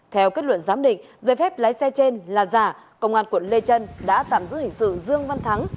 theo kết luận giám định giấy phép lái xe trên là giả công an quận lê trân đã tạm giữ hình sự dương văn thắng